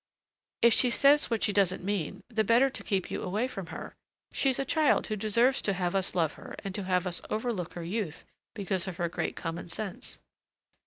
"If she says what she doesn't mean, the better to keep you away from her, she's a child who deserves to have us love her and to have us overlook her youth because of her great common sense."